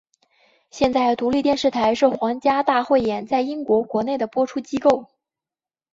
现在独立电视台是皇家大汇演在英国国内的播出机构。